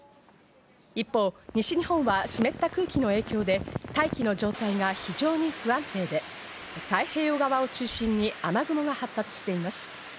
一方、西日本は湿った空気の影響で大気の状態が非常に不安定で太平洋側を中心に雨雲が発達しています。